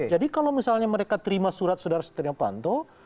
jadi kalau misalnya mereka terima surat sudara steno panto